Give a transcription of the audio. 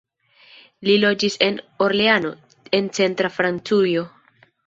Li loĝis en Orleano, en centra Francujo.